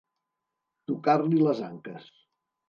Tocar-li les anques.